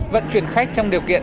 vẫn chuyển khách trong điều kiện